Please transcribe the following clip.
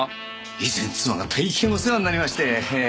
以前妻が大変お世話になりましてへぇ